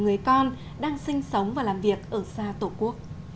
như tôi biết chỉ có vài tuần trước